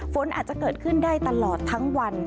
ฝนอาจจะเกิดขึ้นได้ตลอดทั้งวัน